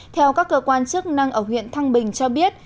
theo các cơ quan chức năng ở huyện thăng bình cho biết